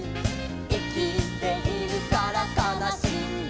「いきているからかなしいんだ」